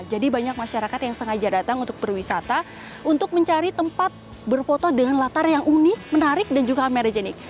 jadi banyak masyarakat yang sengaja datang untuk berwisata untuk mencari tempat berfoto dengan latar yang unik menarik dan juga merenjenik